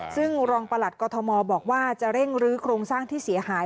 ซึ่งรองประหลัดกรทมบอกว่าจะเร่งรื้อโครงสร้างที่เสียหาย